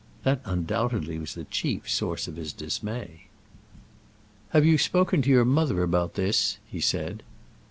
That undoubtedly was the chief source of his dismay. "Have you spoken to your mother about this?" he said.